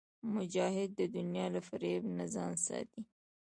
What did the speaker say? مجاهد د دنیا له فریب نه ځان ساتي.